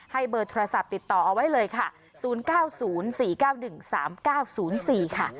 เบอร์โทรศัพท์ติดต่อเอาไว้เลยค่ะ๐๙๐๔๙๑๓๙๐๔ค่ะ